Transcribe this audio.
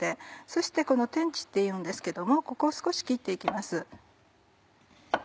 そしてこの天地っていうんですけどもここを少し切って行きます。